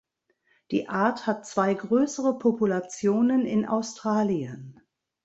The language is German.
Die Art hat zwei größere Populationen in Australien.